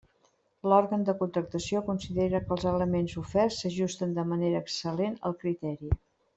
L'òrgan de contractació considera que els elements oferts s'ajusten de manera excel·lent al criteri.